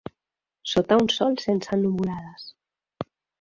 Sota un sol sense nuvolades